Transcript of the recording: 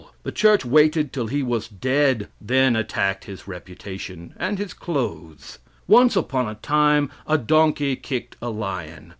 The church waited till he was dead, and then attacked his reputation and his clothes. Once upon a time a donkey kicked a lion.